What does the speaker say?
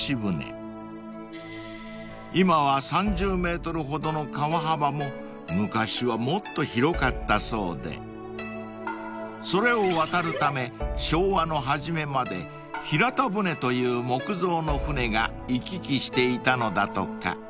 ［今は３０ｍほどの川幅も昔はもっと広かったそうでそれを渡るため昭和の初めまで平田舟という木造の舟が行き来していたのだとか］